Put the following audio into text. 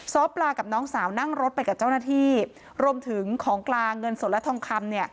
ปลากับน้องสาวนั่งรถไปกับเจ้าหน้าที่รวมถึงของกลางเงินสดและทองคำเนี่ย